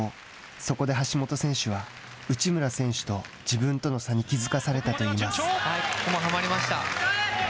そこで橋本選手は内村選手と自分との差に気付かされたといいます。